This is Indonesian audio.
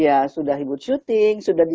ya sudah hibur syuting